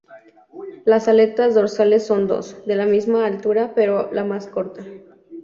Las aletas dorsales son dos, de la misma altura pero la más corta.